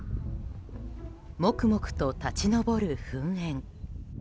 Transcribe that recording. もくもくと立ち上る噴煙。